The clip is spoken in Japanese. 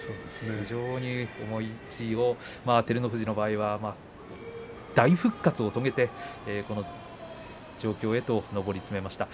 非常に重い地位を照ノ富士の場合は大復活を遂げてこの状況へと上り詰めました。